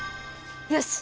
よし！